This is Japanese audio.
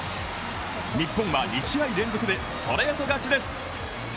日本は２試合連続でストレート勝ちです。